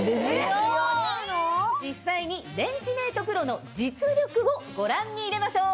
実際にレンジメートプロの実力をご覧に入れましょう！